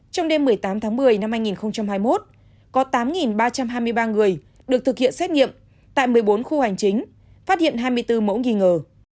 trong đêm một mươi tám tháng một mươi năm hai nghìn hai mươi một có tám ba trăm hai mươi ba người được thực hiện xét nghiệm tại một mươi bốn khu hành chính phát hiện hai mươi bốn mẫu nghi ngờ